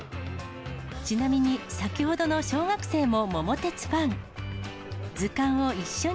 ちなみに、先ほどの小学生も桃鉄ファン。